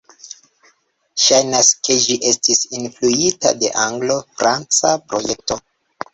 Ŝajnas ke ĝi estis influita de Anglo-franca projekto.